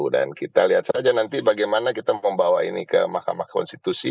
dan kita lihat saja nanti bagaimana kita membawa ini ke mahkamah konstitusi